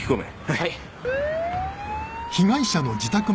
はい！